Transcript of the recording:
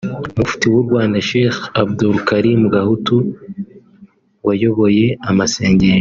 Mufti w’u Rwanda Sheik Abdul Karim Gahutu wayoboye amasengesho